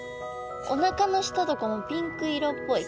おなかの下とかもピンク色っぽい。